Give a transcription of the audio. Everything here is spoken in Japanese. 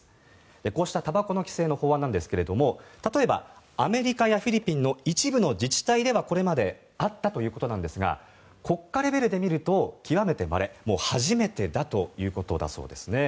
こうしたたばこの規制の法案ですが例えば、アメリカやフィリピンの一部の自治体ではこれまであったということなんですが国家レベルで見ると極めてまれもう初めてだということだそうですね。